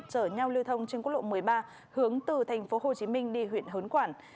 chở nhau lưu thông trên quốc lộ một mươi ba hướng từ tp hcm đi huyện hớn quản